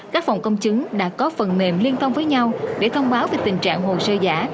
các phòng công chứng đã có phần mềm liên thông với nhau để thông báo về tình trạng hồ sơ giả